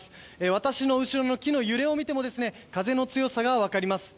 私の後ろの木の揺れを見ても風の強さが分かります。